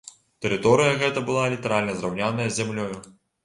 Тэрыторыя гета была літаральна зраўняная з зямлёю.